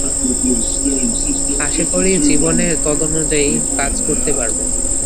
আশা করি জীবনে তদনুযায়ী কাজ করতে পারব।